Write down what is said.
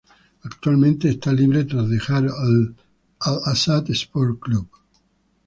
Actualmente, está libre tras dejar el Al-Sadd Sports Club.